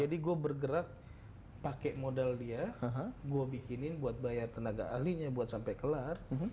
jadi gua bergerak pakai modal dia gua bikinin buat bayar tenaga ahlinya buat sampai kelar